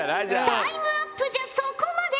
タイムアップじゃそこまで。